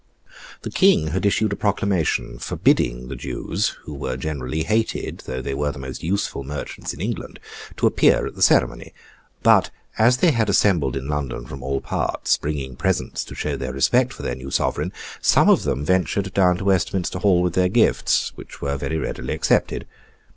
The King had issued a proclamation forbidding the Jews (who were generally hated, though they were the most useful merchants in England) to appear at the ceremony; but as they had assembled in London from all parts, bringing presents to show their respect for the new Sovereign, some of them ventured down to Westminster Hall with their gifts; which were very readily accepted.